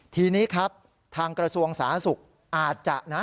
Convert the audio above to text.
ทีนี้ครับทางกระทรวงอาสาสุข